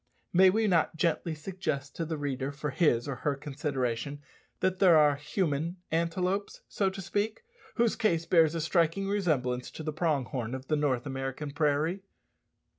May we not gently suggest to the reader for his or her consideration that there are human antelopes, so to speak, whose case bears a striking resemblance to the prong horn of the North American prairie?